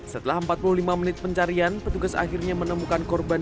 setelah empat puluh lima menit pencarian petugas akhirnya menemukan korban